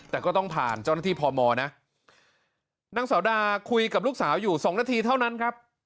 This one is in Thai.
แต่ก็ต้องผ่านเจ้าหน้าที่พมนะนางสาวดาคุยกับลูกสาวอยู่สองนาทีเท่านั้นครับ